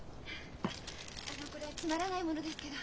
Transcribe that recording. あっあのこれつまらない物ですけど。